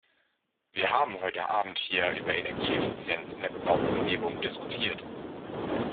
Wir haben heute Abend hier über Energieeffizienz in der bebauten Umgebung diskutiert.